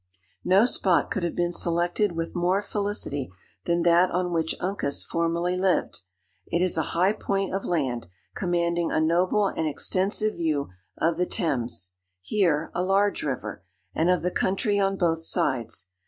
No spot could have been selected with more felicity than that on which Uncas formerly lived. It is a high point of land, commanding a noble and extensive view of the Thames, here a large river, and of the country on both sides.